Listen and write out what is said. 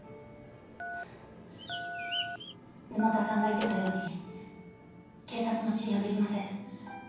沼田さんが言ってたように警察も信用できません。